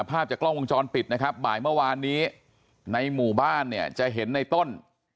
ภาพจากกล้องวงจรปิดนะครับบ่ายเมื่อวานนี้ในหมู่บ้านเนี่ยจะเห็นในต้น